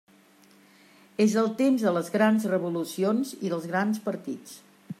És el temps de les grans revolucions i dels grans partits.